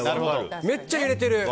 めっちゃ揺れてる。